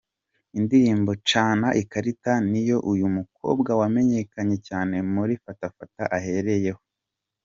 Indirimbo cana Ikarita niyo uyu mukobwa wamenyekanye cyane muri ’Fata fata’ ahereyeho.